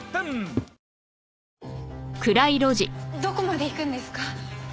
どこまで行くんですか？